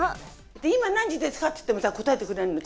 今何時ですか？って言っても答えてくれるの？